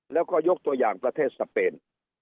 แล้วก็ยกตัวอย่างประเทศสเปน